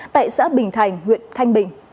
tại xã bình thành huyện thanh bình